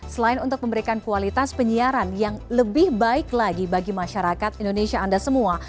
selain untuk memberikan kualitas penyiaran yang lebih baik lagi bagi masyarakat indonesia anda semua